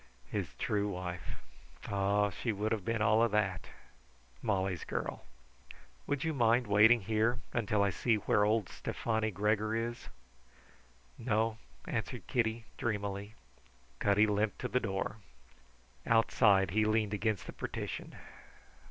His true wife! Ah, she would have been all of that Molly's girl! "Will you mind waiting here until I see where old Stefani Gregor is?" "No," answered Kitty, dreamily. Cutty limped to the door. Outside he leaned against the partition.